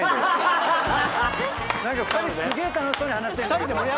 何か２人すげえ楽しそうに話してんだけど。